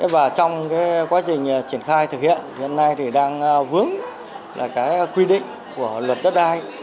và trong quá trình triển khai thực hiện hiện nay đang vướng quy định của luật đất đai